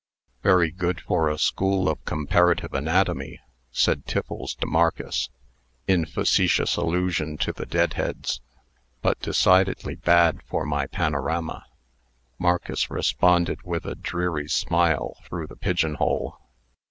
"Very good for a school of comparative anatomy," said Tiffles to Marcus (in facetious allusion to the deadheads), "but decidedly bad for my panorama." Marcus responded with a dreary smile through the pigeon hole.